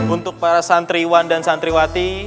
untuk para santriwan dan santriwati